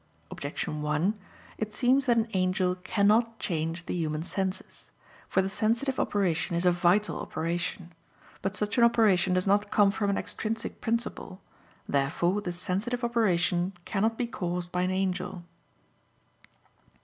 Objection 1: It seems that an angel cannot change the human senses. For the sensitive operation is a vital operation. But such an operation does not come from an extrinsic principle. Therefore the sensitive operation cannot be caused by an angel.